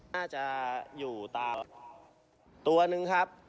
น่าจะอยู่ตาตัวนึงครับ